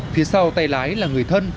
phía sau tay lái là người thân